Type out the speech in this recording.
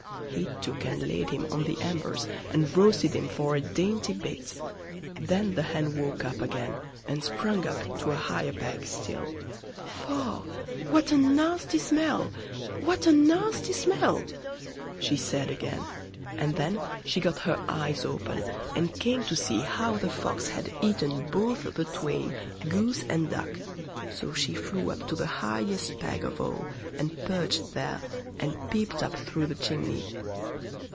He took and laid him on the embers, and roasted him for a dainty bit. Then the hen woke up again, and sprung up to a higher peg still. Faugh, what a nasty smell! What a nasty smell! She said again, and then she got her eyes open, and came to see how the Fox had eaten both the twain, goose and duck; so she flew up to the highest peg of all, and perched there, and peeped up through the chimney.